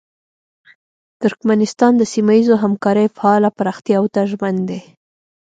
ترکمنستان د سیمه ییزو همکاریو فعاله پراختیاوو ته ژمن دی.